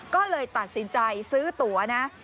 ก็เลยตัดสินใจซื้อตัวนะ